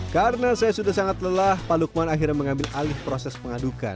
karena saya sudah sangat lelah pak lukman akhirnya mengambil alih proses pengadukan